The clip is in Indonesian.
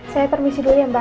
saya permisi dulu ya mbak